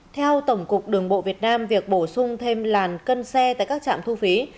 theo tổng cục đường bộ việt nam việc bổ sung thêm làn cân xe tại các trạm thu phí